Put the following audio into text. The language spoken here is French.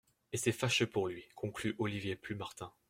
Et c'est fâcheux pour lui, conclut Olivier Plumartin.